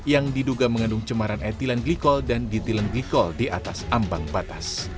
yang diduga mengandung cemaran etilen glikol dan ditilen glikol di atas ambang batas